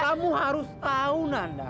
kamu harus tahu nanda